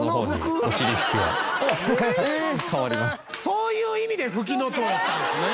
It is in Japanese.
そういう意味でフキノトウなんですね。